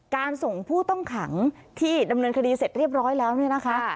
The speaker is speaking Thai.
การส่งผู้ต้องขังที่ดำเนินคดีเสร็จเรียบร้อยแล้วเนี่ยนะคะ